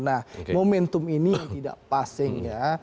nah momentum ini tidak pas ya